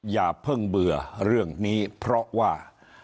อย่าเพิ่งเบื่อเรื่องนี้เพราะว่า